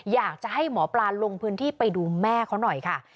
อยากจะให้หมอปลาลงพื้นที่ไปดูแม่เขาหน่อยค่ะ